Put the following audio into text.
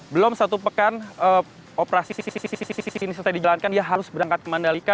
belum satu pekan operasi ini selesai dijalankan dia harus berangkat ke mandalika